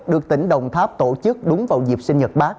được tỉnh đồng tháp tổ chức đúng vào dịp sinh nhật bác